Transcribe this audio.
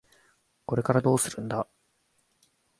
これからどうするんだ？